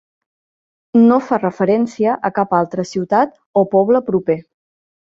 No fa referència a cap altra ciutat o poble proper.